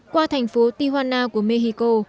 qua thành phố tijuana của mexico